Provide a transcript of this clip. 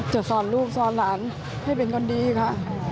เขาเอาอีกตัวไปที่โดยดีค่ะ